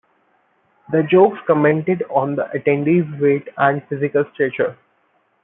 The jokes commented on the attendee's weight and physical stature.